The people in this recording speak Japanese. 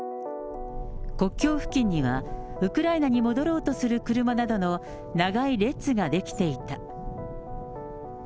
国境付近には、ウクライナに戻ろうとする車などの長い列が出来ていた。